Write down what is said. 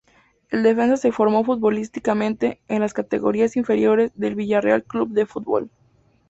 El defensa se formó futbolísticamente en las categorías inferiores del Villarreal Club de Fútbol.